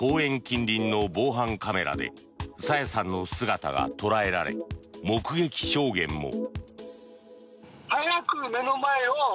近隣の防犯カメラで朝芽さんの姿が捉えられ目撃証言も。